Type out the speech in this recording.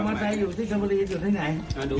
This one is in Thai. ออกมาจ่ายอยู่ที่ชมบุรีดูให้ไหน